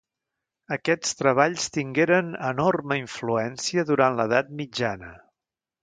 Aquests treballs tingueren enorme influència durant l'edat mitjana.